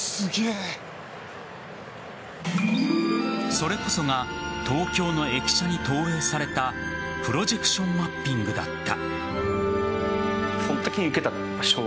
それこそが東京の駅舎に投影されたプロジェクションマッピングだった。